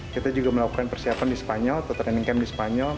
kita juga melakukan persiapan di spanyol atau training camp di spanyol